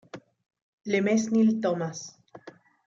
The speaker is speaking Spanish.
Le Mesnil-Thomas